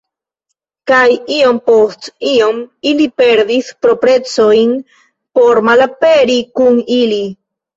Kaj iom post iom ili perdis proprecojn por malaperi kun ili.